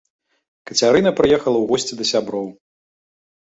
Кацярына прыехала ў госці да сяброў.